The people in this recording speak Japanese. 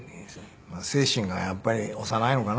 精神がやっぱり幼いのかな。